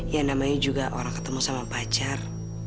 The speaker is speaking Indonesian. ya namanya juga orang ketemu sama pacar